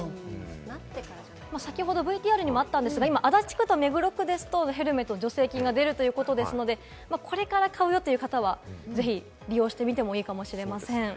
先ほどＶＴＲにもありましたが足立区、目黒区ですとヘルメット助成金が出るということですので、これから買うよという方は、ぜひ利用してみてもいいかもしれません。